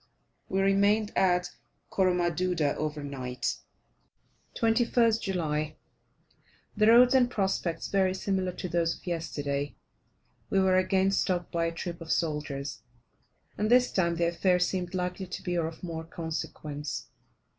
We remained at Coromaduda over night. 21st July. The roads and prospects very similar to those of yesterday. We were again stopped by a troop of soldiers, and this time the affair seemed likely to be of more consequence.